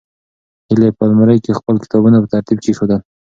هیلې په المارۍ کې خپل کتابونه په ترتیب کېښودل.